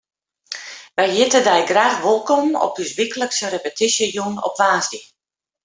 Wy hjitte dy graach wolkom op ús wyklikse repetysjejûn op woansdei.